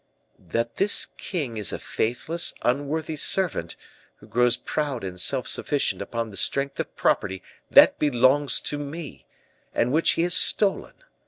" That this king is a faithless, unworthy servant, who grows proud and self sufficient upon the strength of property that belongs to me, and which he has stolen.